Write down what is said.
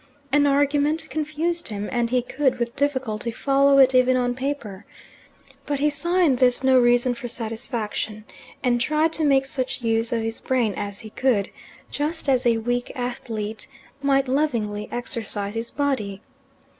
An argument confused him, and he could with difficulty follow it even on paper. But he saw in this no reason for satisfaction, and tried to make such use of his brain as he could, just as a weak athlete might lovingly exercise his body.